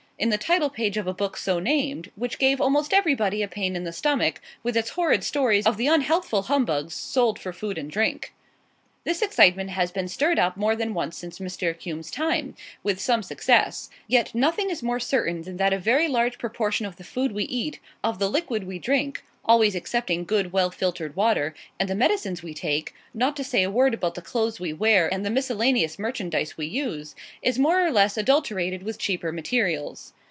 in the title page of a book so named, which gave almost everybody a pain in the stomach, with its horrid stories of the unhealthful humbugs sold for food and drink. This excitement has been stirred up more than once since Mr. Accum's time, with some success; yet nothing is more certain than that a very large proportion of the food we eat, of the liquid we drink always excepting good well filtered water and the medicines we take, not to say a word about the clothes we wear and the miscellaneous merchandise we use, is more or less adulterated with cheaper materials.